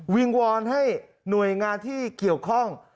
วิงวอนให้หน่วยงานที่เกี่ยวข้อง